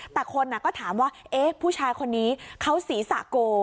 แต่คนก็ถามว่าเอ๊ะผู้ชายคนนี้เขาศีรษะโก